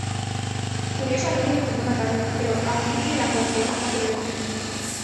Furiosa, Robin intentó matarlo, pero Aokiji la congeló fácilmente.